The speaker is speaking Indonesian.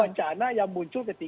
wawancara yang muncul ketika